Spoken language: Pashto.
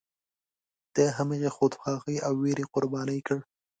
د همغې خودخواهۍ او ویرې قرباني کړ.